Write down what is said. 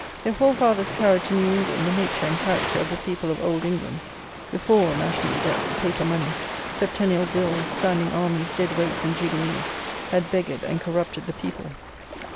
Their forefathers carried to New England the nature and character of the people of Old England, before national debts, paper money, septennial bills, standing armies, dead weights, and jubilees, had beggared and corrupted the people.